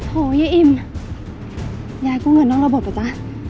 โถยอิ่มยายก็เหงื่อน้องระบบอ่ะจ๊ะ